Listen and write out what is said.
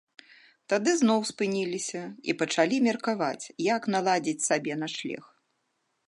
Тады зноў спыніліся і пачалі меркаваць, як наладзіць сабе начлег.